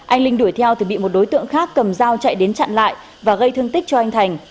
anh linh đuổi theo thì bị một đối tượng khác cầm dao chạy đến chặn lại và gây thương tích cho anh thành